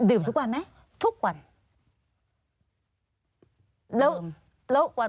ดื่มทุกวันไหมคะดื่มทุกวัน